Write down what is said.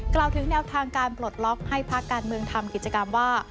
กล่าวถึงแนวทางการปลดล็อกให้พักการเมืองทำกิจกรรมว่า